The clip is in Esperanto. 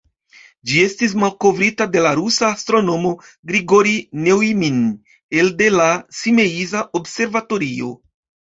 Ĝi estis malkovrita la de la rusa astronomo Grigorij Neujmin elde la Simeiza observatorio.